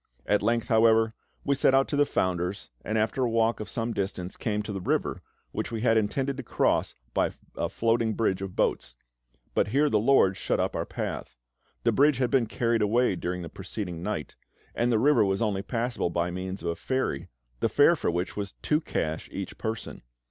At length, however, we set out to the founder's, and after a walk of some distance came to the river, which we had intended to cross by a floating bridge of boats; but here the LORD shut up our path. The bridge had been carried away during the preceding night, and the river was only passable by means of a ferry, the fare for which was two cash each person.